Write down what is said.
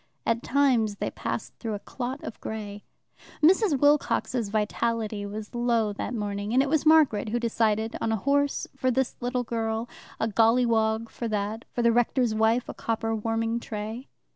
At times they passed through a clot of grey. Mrs. Wilcox's vitality was low that morning, and it was Margaret who decided on a horse for this little girl, a golliwog for that, for the rector's wife a copper warming tray.